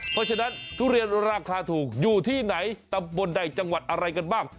เพราะฉะนั้นทุเรียนราคาถูกอยู่ที่ไหนตำบลใดจังหวัดอะไรกันบ้าง